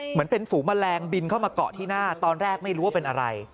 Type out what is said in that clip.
เหมือนเป็นฝูงแมลงบินเข้ามาเกาะที่หน้าตอนแรกไม่รู้ว่าเป็นอะไร